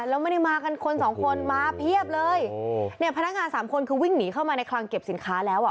แล้วไม่ได้มากันคนสองคนมาเพียบเลยโอ้เนี่ยพนักงานสามคนคือวิ่งหนีเข้ามาในคลังเก็บสินค้าแล้วอ่ะ